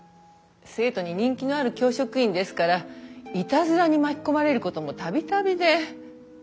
生徒に人気のある教職員ですからイタズラに巻き込まれることも度々で。